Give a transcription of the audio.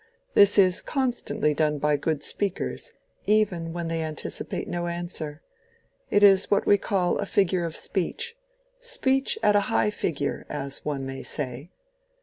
"This is constantly done by good speakers, even when they anticipate no answer. It is what we call a figure of speech—speech at a high figure, as one may say."